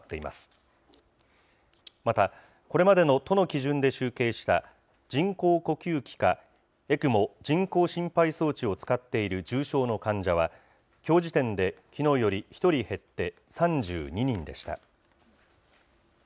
また、これまでの都の基準で集計した、人工呼吸器かＥＣＭＯ・人工心肺装置を使っている重症の患者は、きょう時点できのうより１人減って３２人でした。